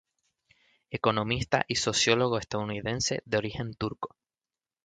Economista y sociólogo estadounidense de origen turco.